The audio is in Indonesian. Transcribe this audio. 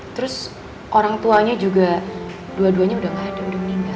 terus orang tuanya juga dua duanya udah gak ada udah meninggal